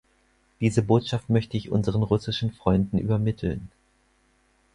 Diese Botschaft möchte ich unseren russischen Freunden übermitteln.